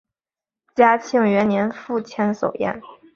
嘉庆元年赴千叟宴。